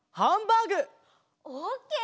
オッケー！